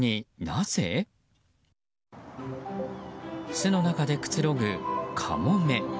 巣の中でくつろぐカモメ。